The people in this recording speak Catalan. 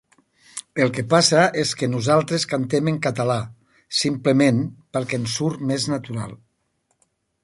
El que passa és que nosaltres cantem en català, simplement perquè ens surt més natural.